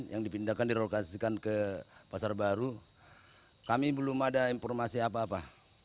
yang dipindahkan direlokasikan ke pasar baru kami belum ada informasi apa apa